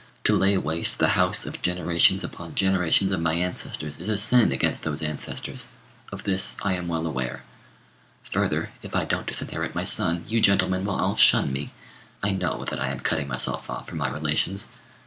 To lay waste the house of generations upon generations of my ancestors is a sin against those ancestors; of this I am well aware. Further, if I don't disinherit my son, you gentlemen will all shun me. I know that I am cutting myself off from my relations.